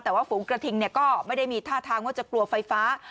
แต่ว่าฝูงกระทิงก็ไม่ได้มีท่าทางว่าจะกลัวไฟฟ้า